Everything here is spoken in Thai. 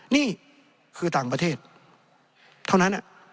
นี่คือต่างประเทศเท่านั้น